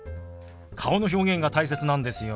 顔の表現が大切なんですよ。